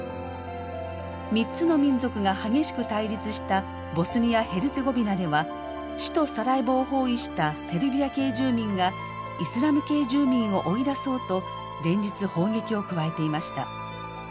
３つの民族が激しく対立したボスニア・ヘルツェゴビナでは首都サラエボを包囲したセルビア系住民がイスラム系住民を追い出そうと連日砲撃を加えていました。